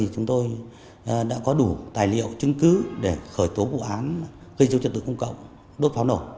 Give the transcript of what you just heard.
chúng tôi đã có đủ tài liệu chứng cứ để khởi tố vụ án gây dối trật tự công cộng đốt pháo nổ